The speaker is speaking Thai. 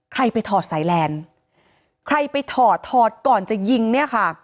ใครไปถอดสายแลนด์ใครไปถอดถอดก่อนจะยิงเนี่ยค่ะ